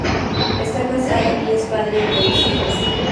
Está casado y es padre de dos hijas.